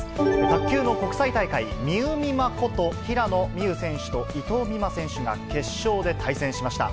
卓球の国際大会、みうみまこと、平野美宇選手と伊藤美誠選手が決勝で対戦しました。